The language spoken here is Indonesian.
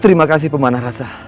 terima kasih pemanah rasa